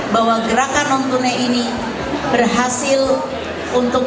bahwa gerakan non tunai ini berhasil untuk